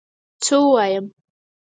څه ووایم؟!